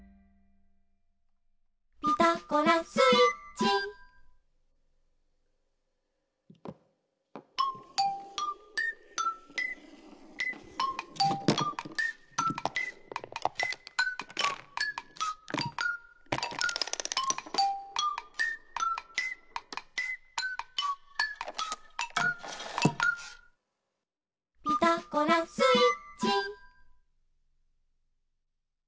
「ピタゴラスイッチ」「ピタゴラスイッチ」